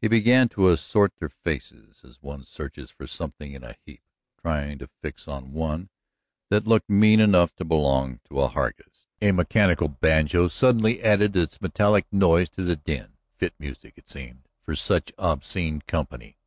He began to assort their faces, as one searches for something in a heap, trying to fix on one that looked mean enough to belong to a Hargus. A mechanical banjo suddenly added its metallic noise to the din, fit music, it seemed, for such obscene company.